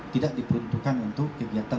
tidak diperuntukkan untuk kegiatan